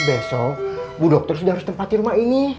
besok bu dokter sudah harus tempati rumah ini